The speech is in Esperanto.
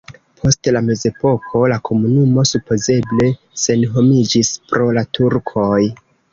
Post la mezepoko la komunumo supozeble senhomiĝis pro la turkoj.